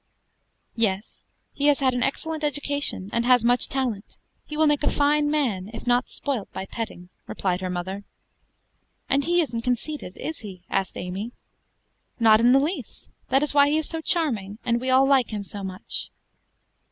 "Yes; he has had an excellent education, and has much talent; he will make a fine man, if not spoilt by petting," replied her mother. "And he isn't conceited, is he?" asked Amy. "Not in the least; that is why he is so charming, and we all like him so much."